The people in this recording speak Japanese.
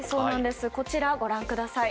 こちら、ご覧ください。